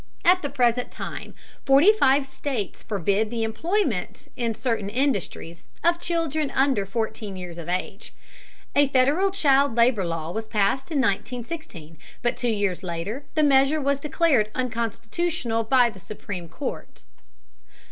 At the present time, forty five states forbid the employment in certain industries of children under fourteen years of age. A Federal child labor law was passed in 1916, but two years later the measure was declared unconstitutional by the Supreme Court.